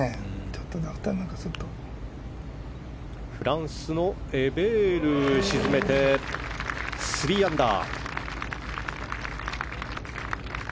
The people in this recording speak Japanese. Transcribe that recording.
フランスのエベールが沈めて、３アンダー。